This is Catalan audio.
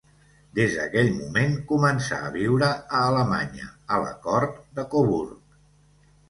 Des d'aquell moment començà a viure a Alemanya a la cort de Coburg.